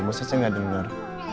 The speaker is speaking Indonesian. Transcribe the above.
maksudnya gak denger